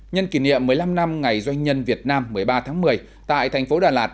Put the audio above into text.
nhân kỷ niệm một mươi năm năm ngày doanh nhân việt nam một mươi ba tháng một mươi tại thành phố đà lạt